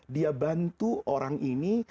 dia bantu orang ini